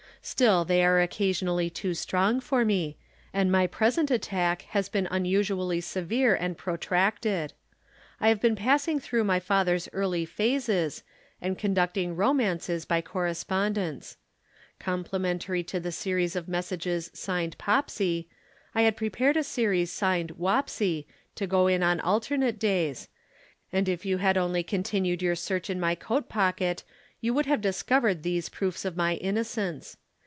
Still they are occasionally too strong for me, and my present attack has been unusually severe and protracted. I have been passing through my father's early phases and conducting romances by correspondence. Complimentary to the series of messages signed Popsy, I had prepared a series signed Wopsy to go in on alternate days, and if you had only continued your search in my coat pocket you would have discovered these proofs of my innocence.